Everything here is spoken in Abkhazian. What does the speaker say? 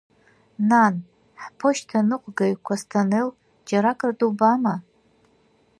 Нан, ҳԥошьҭаныҟәгаҩ Кәасҭантел џьаракыр дубама?